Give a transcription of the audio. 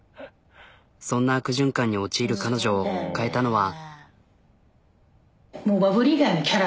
そんな悪循環に陥る彼女を変えたのは。